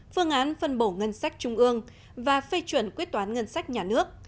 phương án phân bổ ngân sách trung ương và phê chuẩn quyết toán ngân sách nhà nước